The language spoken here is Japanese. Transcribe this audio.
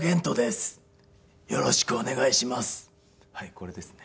これですね。